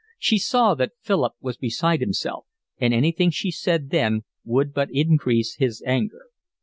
She saw that Philip was beside himself, and anything she said then would but increase his anger.